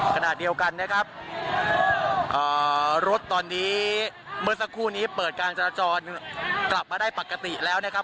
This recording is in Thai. ขณะเดียวกันนะครับรถตอนนี้เมื่อสักครู่นี้เปิดการจราจรกลับมาได้ปกติแล้วนะครับ